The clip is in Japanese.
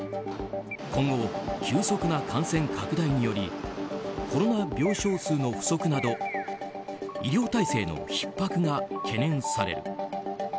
今後、急速な感染拡大によりコロナ病床数の不足など医療体制のひっ迫が懸念される。